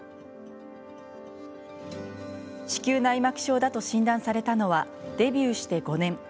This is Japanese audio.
子宮内膜症だと診断されたのはデビューして５年。